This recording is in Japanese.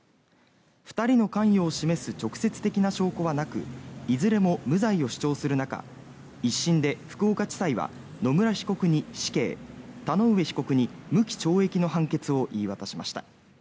２人の関与を示す直接的な証拠はなくいずれも無罪を主張する中１審で福岡地裁は野村被告に死刑田上被告に無期懲役の判決を言い渡しました。